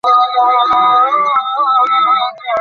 গুনাচিথরাম, গাড়ি বের করো।